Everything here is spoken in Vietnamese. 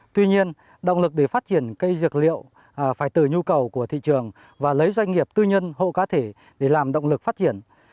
tuy nhiên động lực để phát triển cây dược liệu phải từ nhu cầu của thị trường và lấy doanh nghiệp tư nhân hộ cá thể để làm động lực phát triển